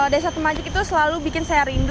desa temajuk itu selalu bikin saya rindu